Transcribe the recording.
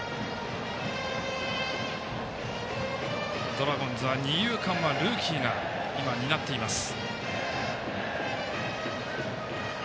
ドラゴンズは二遊間はルーキーが担っています。